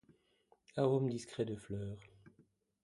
Arômes discrets de fleurs.